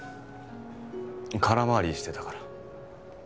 空回りしてたから。